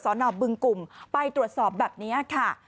นอบึงกลุ่มไปตรวจสอบแบบนี้ค่ะ